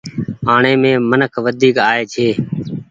آڻي مين منک وڍيڪ آئي ڇي۔